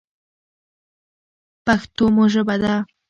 پښتو مو ژبه ده.